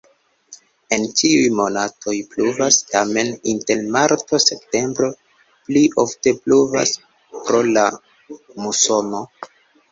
En ĉiuj monatoj pluvas, tamen inter marto-septembro pli ofte pluvas pro la musono.